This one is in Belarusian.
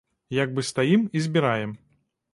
Як бы стаім і збіраем.